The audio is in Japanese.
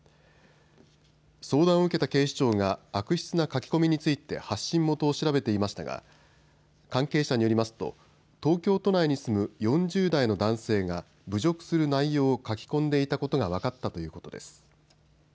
相談を受けた警視庁が悪質な書き込みについて発信元を調べていましたが関係者によりますと東京都内に住む４０代の男性が侮辱する内容を書き込んでいたことが分かったということです。